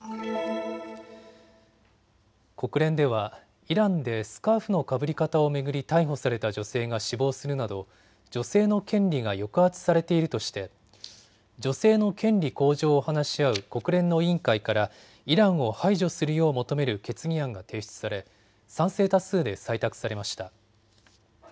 国連ではイランでスカーフのかぶり方を巡り逮捕された女性が死亡するなど女性の権利が抑圧されているとして女性の権利向上を話し合う国連の委員会からイランを排除するよう求める決議案が提出され賛成多数で採択されました。